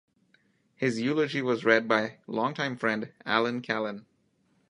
His eulogy was read by longtime friend Alan Callan.